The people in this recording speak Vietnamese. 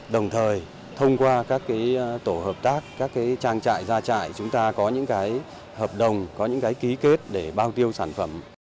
đồng thời thông qua các tổ hợp tác các trang trại gia trại chúng ta có những hợp đồng có những cái ký kết để bao tiêu sản phẩm